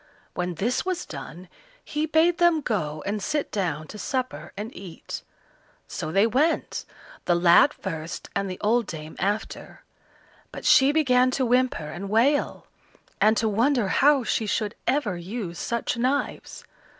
When this was done he bade them go and sit down to supper and eat. So they went, the lad first and the old dame after, but she began to whimper and wail, and to wonder how she should ever use such knives.